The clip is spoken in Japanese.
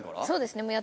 そうですね。